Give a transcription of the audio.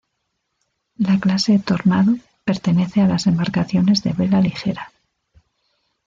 La clase Tornado pertenece a las embarcaciones de vela ligera.